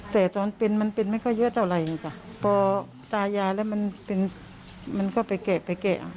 แต่ตอนเป็นมันเป็นไม่ค่อยเยอะเท่าไหร่จ้ะพอตายายแล้วมันเป็นมันก็ไปแกะไปแกะ